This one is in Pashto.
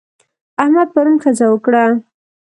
احمد پرون ښځه وکړه.